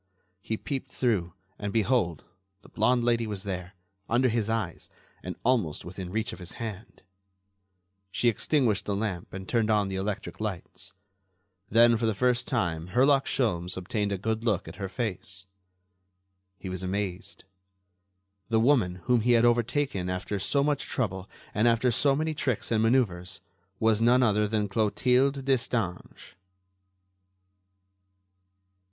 He peeped through and, behold, the blonde lady was there, under his eyes, and almost within reach of his hand. She extinguished the lamp and turned on the electric lights. Then for the first time Herlock Sholmes obtained a good look at her face. He was amazed. The woman, whom he had overtaken after so much trouble and after so many tricks and manœuvres, was none other than Clotilde Destange.